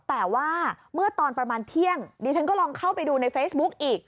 แต่ว่าเมื่อตอนประมาณเที่ยงดิฉันก็ลองเข้าไปดูในเฟซบุ๊กอีก